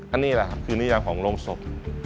อันนี้แหละครับคือนิยามของโรงศพ